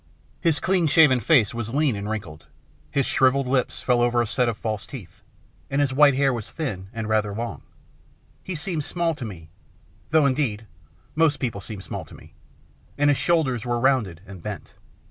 His clean shaven face was lean and wrinkled, his shrivelled lips fell over a set of false teeth, and his white hair was thin and rather long ; he seemed small to me, though, indeed, most people seemed small to me, and his shoulders were rounded and bent.